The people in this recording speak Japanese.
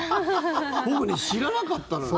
僕ね、知らなかったのよ。